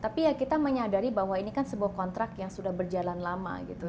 tapi ya kita menyadari bahwa ini kan sebuah kontrak yang sudah berjalan lama gitu